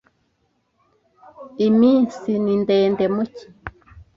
Iminsi ni ndende mu cyi.